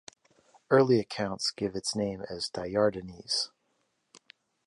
Early accounts give its name as Dyardanes.